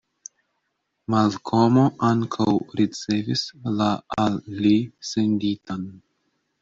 Malkomo ankaŭ ricevis la al li senditan.